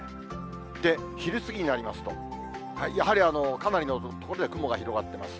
で、昼過ぎになりますと、やはりかなりの所で雲が広がってます。